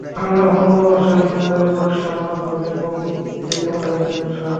বাংলা বর্ণমালা, শহীদ মিনারের নকশা, নানা ধরনের পঙ্ক্তি দিয়ে করা হয়েছে পোশাক।